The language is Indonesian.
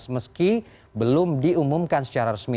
meski belum diumumkan secara resmi